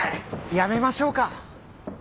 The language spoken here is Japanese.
やめましょうか。